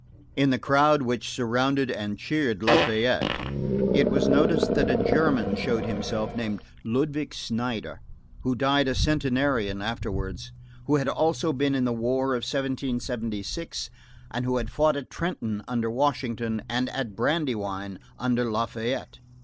In the crowd which surrounded and cheered Lafayette, it was noticed that a German showed himself named Ludwig Snyder, who died a centenarian afterwards, who had also been in the war of 1776, and who had fought at Trenton under Washington, and at Brandywine under Lafayette.